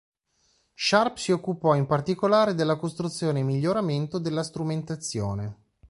Sharp si occupò in particolare della costruzione e miglioramento della strumentazione.